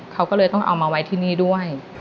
เขาก็เลยต้องเอามาไว้ที่นี่ด้วย